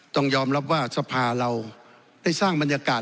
ต้องยอมรับว่าสภาเราได้สร้างบรรยากาศ